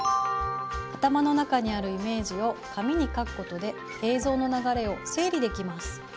頭の中にあるイメージを紙に描くことで映像の流れを整理できます。